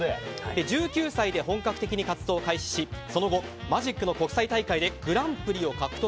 １９歳で本格的に活動を開始しその後、マジックの国際大会でグランプリを獲得。